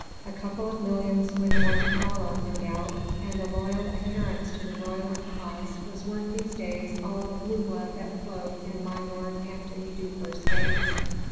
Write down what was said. A couple of millions with more to follow, no doubt, and a loyal adherence to the royalist cause was worth these days all the blue blood that flowed in my lord Anthony Dewhurst's veins.